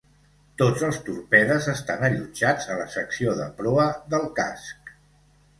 Tots els torpedes estan allotjats a la secció de proa del casc.